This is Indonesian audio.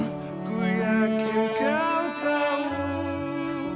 aku yakin kau tahu